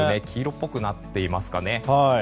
黄色っぽくなっていますかね。